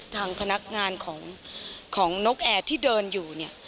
ทางพนักงานของนกแอร์ที่เดินอยู่เนี่ย